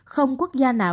không quốc gia nào